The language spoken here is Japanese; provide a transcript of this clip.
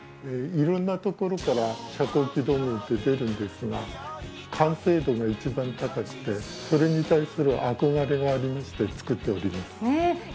いろんなところから遮光器土偶って出るんですが、完成度が一番高くて、それに対する憧れがありまして、作っております。